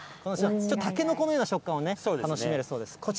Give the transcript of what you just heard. ちょっとタケノコのような食感が楽しめるそうです。